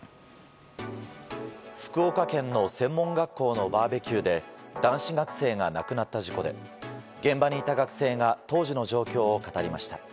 福岡県の専門学校のバーベキューで男子学生が亡くなった事故で現場にいた学生が当時の状況を語りました。